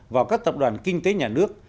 vào các tập đoàn kinh tế nhà nước